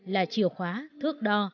là chiều khóa thước đo